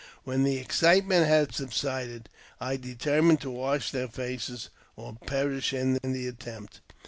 When the excitement had subsided, I determined to wash their faces or perish in the attempt.